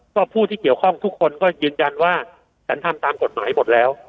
ก็ผู้ที่เกี่ยวข้องทุกคนก็ยืนยันว่าฉันทำตามกฎหมายหมดแล้ว